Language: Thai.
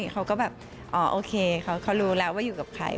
เขาก็แบบอ๋อโอเคเขารู้แล้วว่าอยู่กับใคร